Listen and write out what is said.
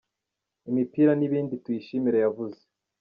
imipira n’ibindi Tuyishimire yavuze.